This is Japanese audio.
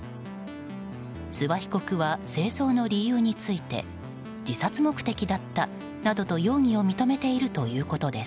諏訪被告は製造の理由について自殺目的だったなどと容疑を認めているということです。